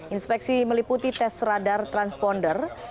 inspeksi meliputi tes radar transponder